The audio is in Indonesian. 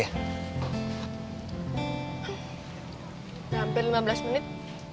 hampir lima belas menit